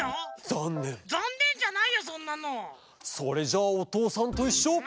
それじゃあ「おとうさんといっしょ」。